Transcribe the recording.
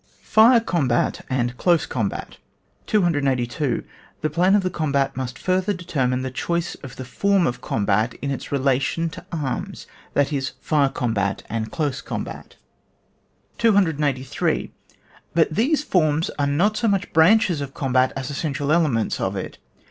Fire* Combat and Close Combat, 282. The plan of the combat must further determine the choice of the form of combat in its relation to arms — that is, fire combat and close combat. 283. But these two forms are not so much branches of the combat as essential elements of it.